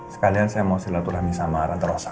sekalian saya mau silatulah misah marah terosan